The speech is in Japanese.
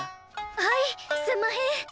はいすんまへん！